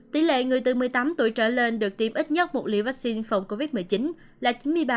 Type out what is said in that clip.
tỷ lệ người từ một mươi tám tuổi trở lên được tiêm ít nhất một liều vaccine phòng covid một mươi chín là chín mươi ba